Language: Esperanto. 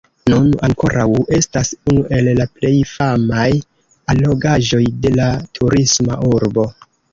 Nun ankoraŭ estas unu el la plej famaj allogaĵoj de la turisma urbo.